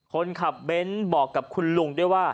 คนขับเบ้นบอกกับคุณลุงด้วยว่า